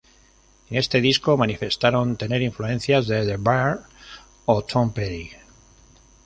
En este disco manifestaron tener influencias de The Byrds o Tom Petty.